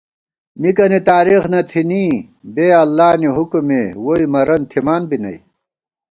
مِکَنی تارېخ نہ تھنی بےاللہ نی حُکُمےووئی مَرَن تھِمانبی نئ